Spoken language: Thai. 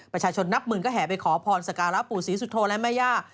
นับหมื่นก็แห่ไปขอพรสการะปู่ศรีสุโธและแม่ย่า